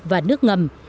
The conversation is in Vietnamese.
và nước ngầm